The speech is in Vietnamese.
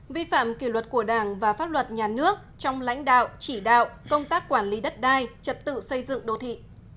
vi phạm kỷ luật của đảng và pháp luật nhà nước trong lãnh đạo chỉ đạo công tác quản lý đất đai trật tự xây dựng đô thị